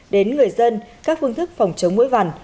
đến người dân các phương thức phòng chống mũi vằn